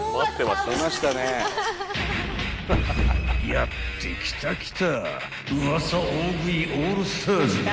［やって来た来た］